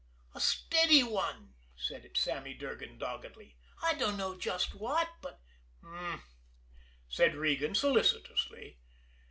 "A steady one," said Sammy Durgan doggedly. "I dunno just what, but " "H'm!" said Regan solicitously.